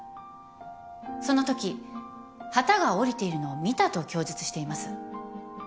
そのとき旗がおりているのを見たと供述しています。